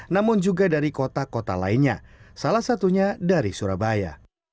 namun juga dari kota kota lainnya salah satunya dari surabaya